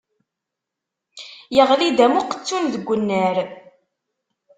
Yeɣli-d am uqettun deg unnar.